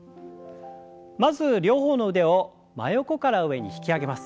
まず両方の腕を真横から上に引き上げます。